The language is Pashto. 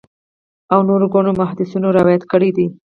او نورو ګڼو محدِّثينو روايت کړی دی